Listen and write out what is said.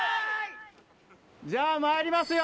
じゃあまいりますよ。